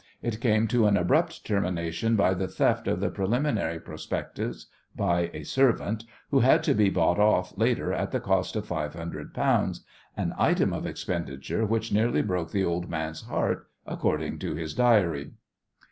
It came to an abrupt termination by the theft of the preliminary prospectus by a servant, who had to be bought off later at a cost of five hundred pounds, an item of expenditure which nearly broke the old man's heart, according to his diary.